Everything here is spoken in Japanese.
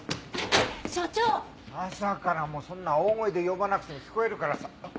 朝からもうそんな大声で呼ばなくても聞こえるからさ。